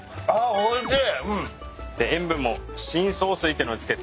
おいしい？